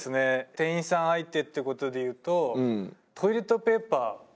店員さん相手っていう事で言うと。